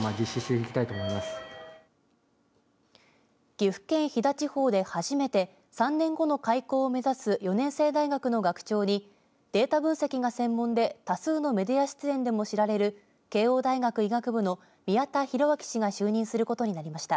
岐阜県飛騨地方で初めて３年後の開校を目指す４年制大学の学長にデータ分析が専門で多数のメディア出演でも知られる慶応大学医学部の宮田裕章氏が就任することになりました。